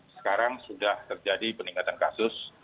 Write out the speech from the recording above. sekarang sudah terjadi peningkatan kasus